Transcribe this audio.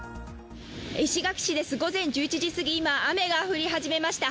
石垣市です、午前１１時すぎ、今、雨が降り始めました。